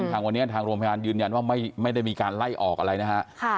ทางวันนี้ทางโรงพยาบาลยืนยันว่าไม่ได้มีการไล่ออกอะไรนะฮะ